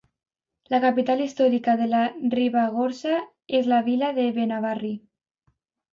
La capital històrica de la Ribagorça és la vila de Benavarri.